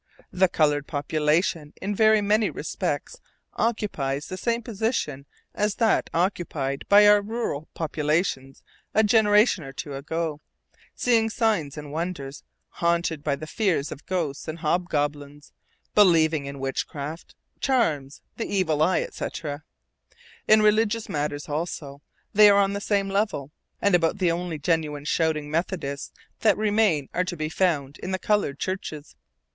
The colored population in very many respects occupies the same position as that occupied by our rural populations a generation or two ago, seeing signs and wonders, haunted by the fear of ghosts and hobgoblins, believing in witchcraft, charms, the evil eye, etc. In religious matters, also, they are on the same level, and about the only genuine shouting Methodists that remain are to be found in the colored churches.